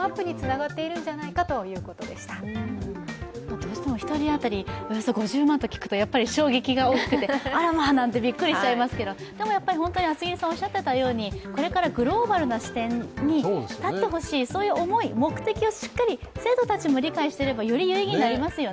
どうしても１人当たりおよそ５０万と聞くとあらまぁなんてびっくりしちゃいますけど、でも、これからグローバルな視点に立ってほしい、そういう思い、目的をしっかり生徒たちも理解していればより有意義なりますよね。